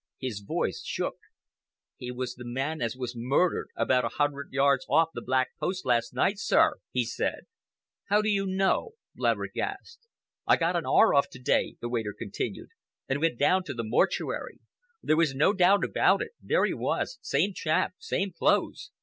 His voice shook. "He was the man as was murdered about a hundred yards off the 'Black Post' last night, sir," he said. "How do you know?" Laverick asked. "I got an hour off to day," the waiter continued, "and went down to the Mortuary. There was no doubt about it. There he was—same chap, same clothes.